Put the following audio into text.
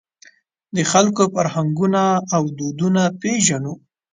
د خلکو فرهنګونه او دودونه پېژنو.